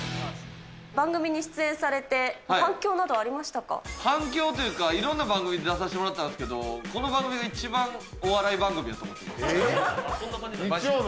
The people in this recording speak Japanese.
番組に出演されて、反響などはあ反響というか、いろんな番組に出させてもらったんですけれども、この番組が一番お笑い番組やと思ってます。